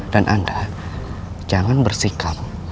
dan anda jangan bersikap